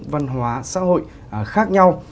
văn hóa xã hội khác nhau